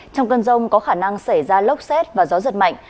trong cơn rông có khả năng xảy ra lốc xét và gió giật mạnh